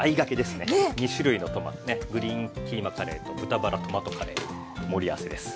２種類のトマトねグリーンキーマカレーと豚バラトマトカレー盛り合わせです。